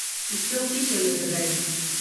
Ӱстел тич ыле тыгайже.